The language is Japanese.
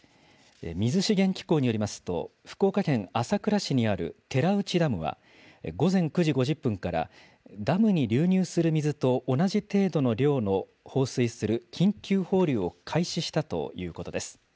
水資源機構によりますと、福岡県朝倉市にある寺内ダムは、午前９時５０分から、ダムに流入する水と同じ程度の量の放水する緊急放流を開始したということです。